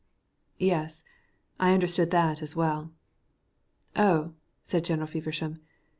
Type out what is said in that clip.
"Yes, I understood that as well." "Oh!" said General Feversham.